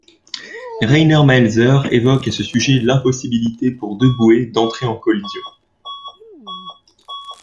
Rainer Maelzer évoque à ce sujet l'impossibilité pour deux bouées d'entrer en collision.